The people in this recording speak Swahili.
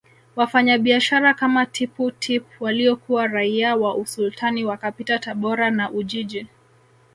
Wafanyabiashara kama Tippu Tip waliokuwa raia wa Usultani wakapita Tabora na Ujiji